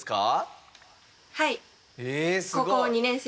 はい。